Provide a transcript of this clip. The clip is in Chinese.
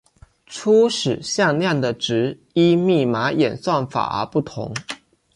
初始向量的值依密码演算法而不同。